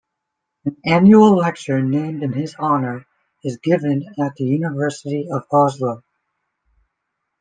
An annual lecture, named in his honor, is given at the University of Oslo.